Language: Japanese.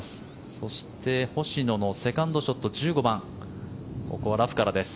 そして、星野のセカンドショット１５番、ここはラフからです。